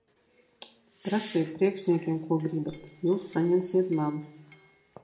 Prasiet priekšniekiem, ko gribat. Jūs saņemsiet melus.